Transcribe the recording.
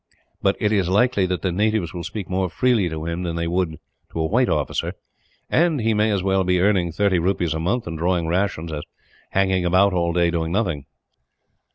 But it is likely that the natives will speak more freely to him than they would to a white officer, and he may as well be earning thirty rupees a month, and drawing rations, as hanging about all day, doing nothing."